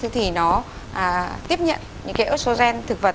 thì nó tiếp nhận những cái ớt sô gen thực vật